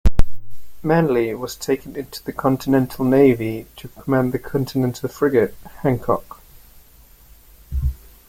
Manley was taken into the Continental Navy to command the Continental frigate "Hancock".